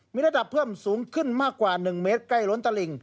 มีระดับเพิ่มสูงขึ้นมากกว่า๑เมตรใกล้ล้นตะหลิ่ง